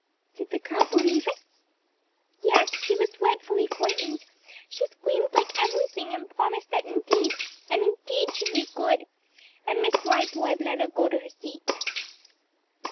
"Did the girl believe it?" "Yes; she was dreadfully frightened; she screamed like everything and promised that indeed, and indeed she'd be good; and Miss Drybread let her go to her seat."